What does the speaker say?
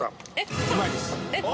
えっ？